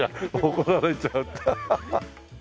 怒られちゃったハハッ。